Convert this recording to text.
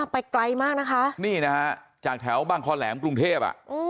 ไปไกลมากนะคะนี่นะฮะจากแถวบางคอแหลมกรุงเทพอ่ะ